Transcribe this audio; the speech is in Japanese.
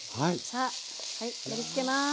さあ盛りつけます。